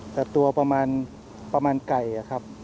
จะตัวประมาณไก่ครับ